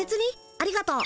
ありがとう。